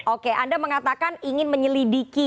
oke anda mengatakan ingin menyelidiki